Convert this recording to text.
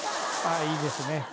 あぁいいですね。